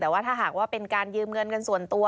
แต่ว่าถ้าหากว่าเป็นการยืมเงินเงินส่วนตัว